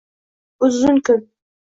Uzun kun.